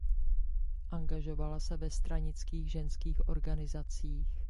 Angažovala se ve stranických ženských organizacích.